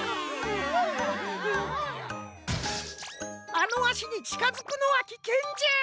あのあしにちかづくのはきけんじゃ。